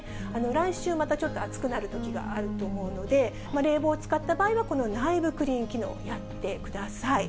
来週またちょっと暑くなるときがあると思うので、冷房使った場合は、この内部クリーン機能、やってください。